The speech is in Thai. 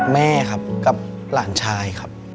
แม่ครับและหลานชาย